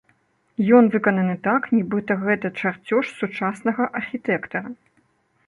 Ён выкананы так, нібыта, гэта чарцёж сучаснага архітэктара.